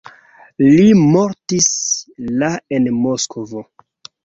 Li mortis la en Moskvo.